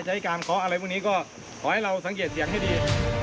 การเคาะอะไรพวกนี้ก็ขอให้เราสังเกตเสียงให้ดี